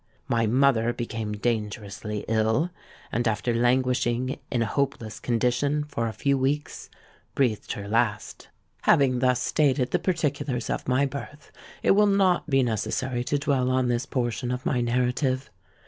My mother became dangerously ill, and after languishing in a hopeless condition for a few weeks, breathed her last. "Having thus stated the particulars of my birth, it will not be necessary to dwell on this portion of my narrative.